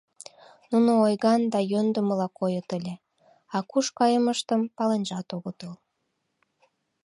Нуно ойган да йӧндымыла койыт ыле, а куш кайымыштым паленжат огытыл.